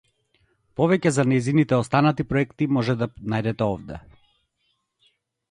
Повеќе за нејзините останати проекти можете да најдете овде.